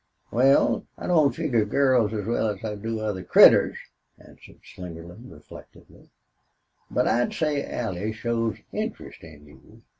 "Wal, I don't figger girls as well as I do other critters," answered Slingerland, reflectively. "But I'd say Allie shows interest in you."